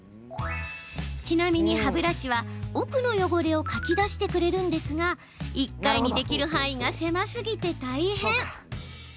ちなみに歯ブラシは奥の汚れをかき出してくれるんですが１回にできる範囲が狭すぎて大変。